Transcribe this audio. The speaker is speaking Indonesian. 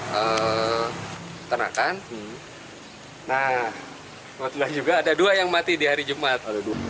nah peternakan nah kebetulan juga ada dua yang mati di hari jumat